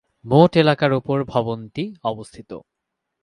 মোট এলাকার উপর ভবনটি অবস্থিত।